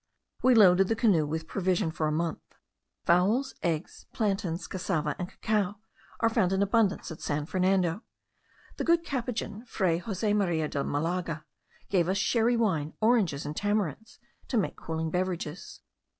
We loaded the canoe with provision for a month. Fowls, eggs, plantains, cassava, and cacao, are found in abundance at San Fernando. The good Capuchin, Fray Jose Maria de Malaga, gave us sherry wine, oranges, and tamarinds, to make cooling beverages.